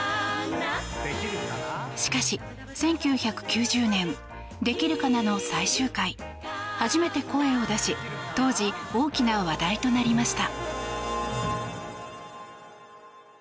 しかし、１９９０年「できるかな」の最終回初めて声を出し当時、大きな話題となりました。